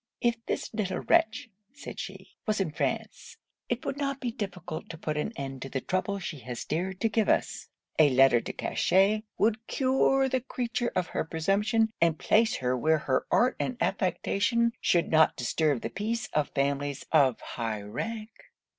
'If this little wretch,' said she, 'was in France, it would not be difficult to put an end to the trouble she has dared to give us. A letter de cachet would cure the creature of her presumption, and place her where her art and affectation should not disturb the peace of families of high rank.'